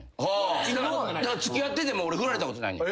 付き合っててもフラれたことないねん。